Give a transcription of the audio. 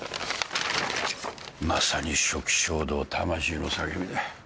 まさに初期衝動魂の叫びだ。